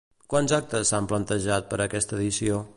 Quants actes s'han planejat per a aquesta edició?